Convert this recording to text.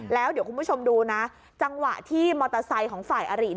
แล้วเดี๋ยวคุณผู้ชมดูนะจังหวะที่มอเตอร์ไซค์ของฝ่ายอาริ